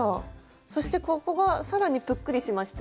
そしてここが更にぷっくりしました。